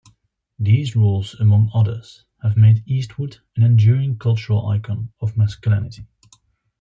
These roles, among others, have made Eastwood an enduring cultural icon of masculinity.